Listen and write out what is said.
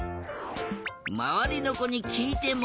まわりのこにきいても。